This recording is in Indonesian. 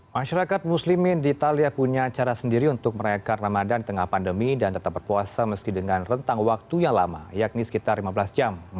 masyarakat muslimin di italia punya cara sendiri untuk merayakan ramadan di tengah pandemi dan tetap berpuasa meski dengan rentang waktu yang lama yakni sekitar lima belas jam